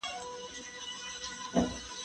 هغه څوک چې منډه وهي قوي کېږي،